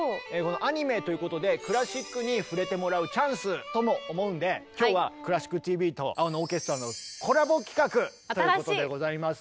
アニメということでクラシックに触れてもらうチャンスとも思うんで今日は「クラシックＴＶ」と「青のオーケストラ」のコラボ企画ということでございますね。